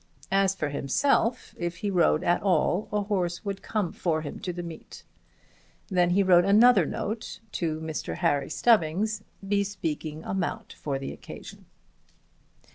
As for himself, if he rode at all, a horse would come for him to the meet. Then he wrote another note to Mr. Harry Stubbings, bespeaking a mount for the occasion.